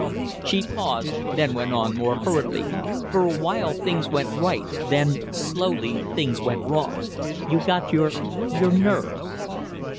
She paused, then went on more hurriedly: "For a while things went right; then slowly things, went wrong. You got your your nerves."